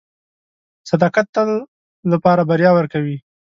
• صداقت د تل لپاره بریا ورکوي.